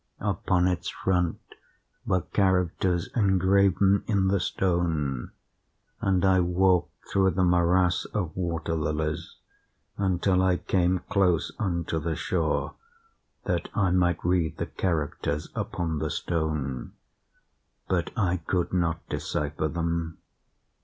Upon its front were characters engraven in the stone; and I walked through the morass of water lilies, until I came close unto the shore, that I might read the characters upon the stone. But I could not decypher them.